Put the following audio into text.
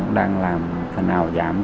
cũng đang làm phần nào giảm